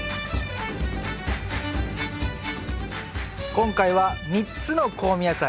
今回は３つの香味野菜。